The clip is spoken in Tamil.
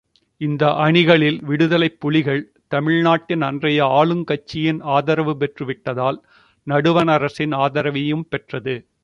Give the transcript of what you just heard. இந்த அணிகளில் விடுதலைப்புலிகள், தமிழ்நாட்டின் அன்றைய ஆளுங்கட்சியின் ஆதரவு பெற்று விட்டதால், நடுவணரசின் ஆதரவையும் பெற்றது.